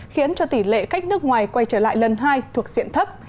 khiến cho tỷ lệ khách nước ngoài quay trở lại lần hai thuộc diện thấp